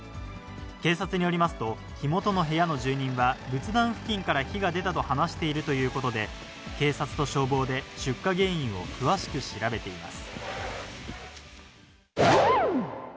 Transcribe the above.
警察によりますと、火元の部屋の住人は仏壇付近から火が出たと話しているということで、警察と消防で出火原因を詳しく調べています。